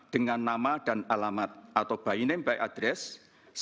dengan nama dan alamat atau by name by address